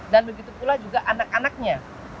dan begitu pula juga anak anaknya